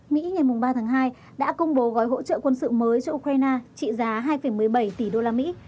mỹ ngày ba tháng hai đã công bố gói hỗ trợ quân sự mới cho ukraine trị giá hai một mươi bảy tỷ usd